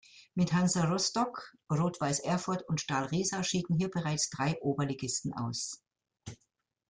Mit Hansa Rostock, Rot-Weiß Erfurt und Stahl Riesa schieden hier bereits drei Oberligisten aus.